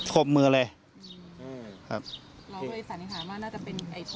ครบมือเลย